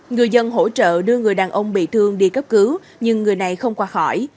người dân hỗ trợ đưa người đàn ông bị thương đi cấp cứu nhưng người này không qua khỏi